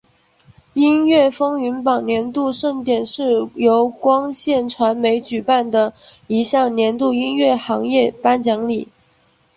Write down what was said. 音乐风云榜年度盛典是由光线传媒举办的一项年度音乐行业颁奖礼。